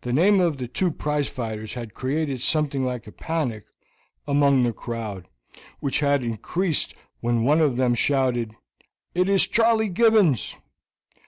The name of the two prize fighters had created something like a panic among the crowd, which had increased when one of them shouted, "It is Charley Gibbons."